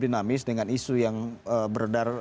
dinamis dengan isu yang beredar